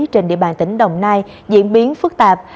trên địa bàn tỉnh đồng nai diễn biến phức tạp